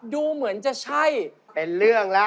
ดูเหมือนจะใช่เป็นเรื่องแล้ว